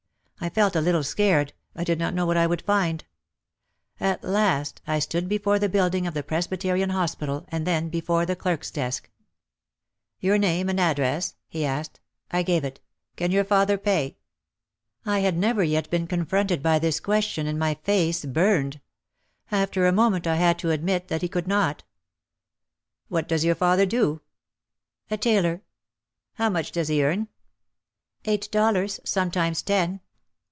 I felt a little scared, I did not know what I would find. At last I stood before the building of the Presbyterian Hospital and then before the clerk's desk. 234 QUT OF THE SHADOW "Your name and address," he asked. I gave it. "Can your father pay?" I had never yet been confronted by this question and my face burned. After a moment I had to admit that he could not. "What does your father do ?" "A tailor." " "How much does he earn ?" "Eight dollars, sometimes ten."